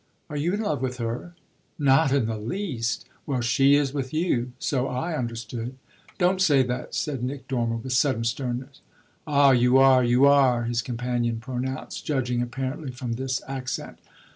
"Are you in love with her?" "Not in the least." "Well, she is with you so I understood." "Don't say that," said Nick Dormer with sudden sternness. "Ah you are, you are!" his companion pronounced, judging apparently from this accent.